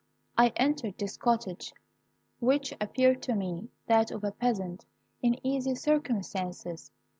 I entered this cottage, which appeared to me that of a peasant in easy circumstances.